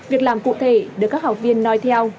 việc làm cụ thể được các học viên nói theo